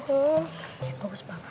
oh bagus banget